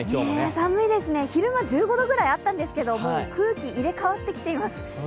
寒いですね、昼間１５度ぐらいあったんですけどもう空気、入れ替わってきています